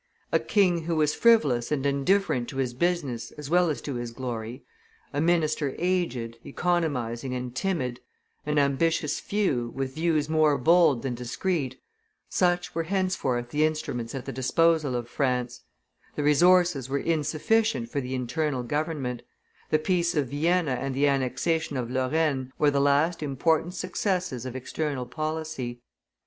A king, who was frivolous and indifferent to his business as well as to his glory; a minister aged, economizing, and timid; an ambitious few, with views more bold than discreet, such were henceforth the instruments at the disposal of France; the resources were insufficient for the internal government; the peace of Vienna and the annexation of Lorraine were the last important successes of external policy.